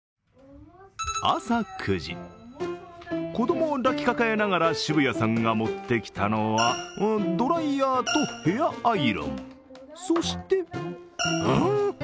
朝９時、子供を抱きかかえながら渋谷さんが持ってきたのはドライやーとヘアアイロンそして、ん？